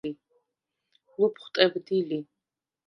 ლუფხუ̂ ტებდი ლი.